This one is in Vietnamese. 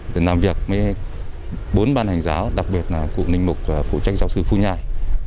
làm việc với bốn ban hành giáo đặc biệt là cụ ninh mục phụ trách giáo sư phu nhai